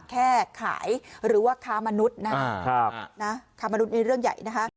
แค่ขายหรือว่าค้ามนุษย์นะครับค้ามนุษย์นี่เรื่องใหญ่นะคะ